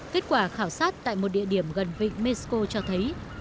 kết quả khảo sát tại một địa điểm gần vịnh mexico cho thấy